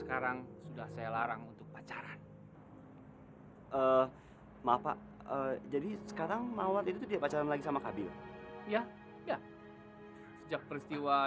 karena harus itu dari alam rumah